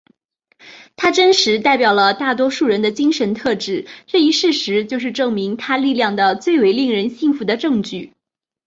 他真实代表了大多数人的精神特质这一事实就是证明他力量的最为令人信服的证据。